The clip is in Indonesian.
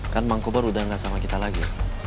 kan bang kober udah gak sama kita lagi